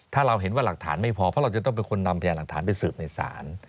ถ้าเราเห็นว่าหลักฐานไม่พอเพราะเราจะต้องเป็นคนนำพยานหลักฐานไปสืบในศาล